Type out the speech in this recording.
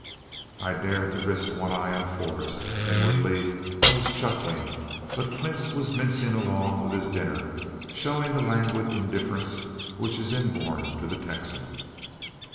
I dared to risk one eye on Forrest. Inwardly I was chuckling, but Quince was mincing along with his dinner, showing that languid indifference which is inborn to the Texan.